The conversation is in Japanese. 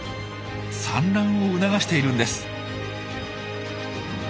産卵を促しているんです。